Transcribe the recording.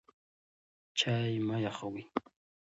چای مه یخوئ.